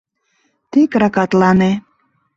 Тек ракатлане.